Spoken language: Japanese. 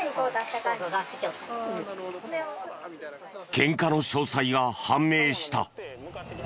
ケンカの詳細が判明した。